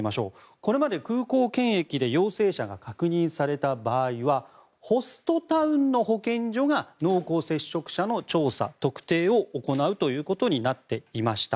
これまで空港検疫で陽性者が確認された場合はホストタウンの保健所が濃厚接触者の調査・特定を行うということになっていました。